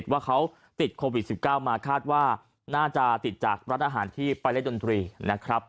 ว่าเขาติดโควิด๑๙มาคาดว่าน่าจะติดจากร้านอาหารที่ไปเล่นดนตรีนะครับ